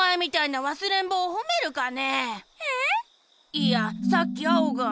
いやさっきアオが。